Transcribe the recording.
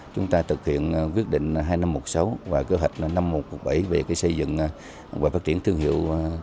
chúng ta thực hiện quyết định hai năm một sáu và cơ hệ năm một bảy về xây dựng và phát triển thương hiệu